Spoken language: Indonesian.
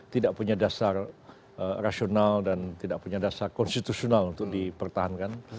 tidak punya dasar rasional dan tidak punya dasar konstitusional untuk dipertahankan